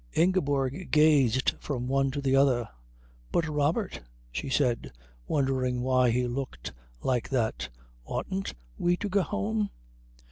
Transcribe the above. Ingeborg gazed from one to the other. "But, Robert," she said, wondering why he looked like that, "oughtn't we to go home?"